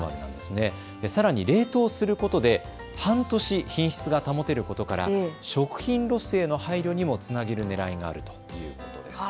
さらに冷凍することで半年品質が保てることから食品ロスへの配慮にもつなげるねらいがあるということです。